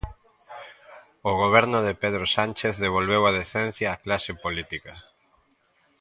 O goberno de Pedro Sánchez devolveu a decencia á clase política.